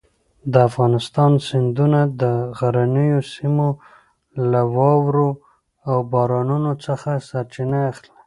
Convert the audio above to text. د افغانستان سیندونه د غرنیو سیمو له واورو او بارانونو څخه سرچینه اخلي.